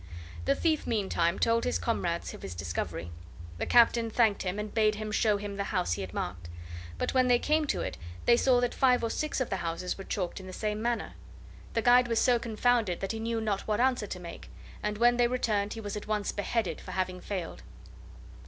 The thief, meantime, told his comrades of his discovery. The Captain thanked him, and bade him show him the house he had marked. But when they came to it they saw that five or six of the houses were chalked in the same manner. The guide was so confounded that he knew not what answer to make, and when they returned he was at once beheaded for having failed.